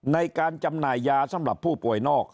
จำหน่ายยาสำหรับผู้ป่วยนอก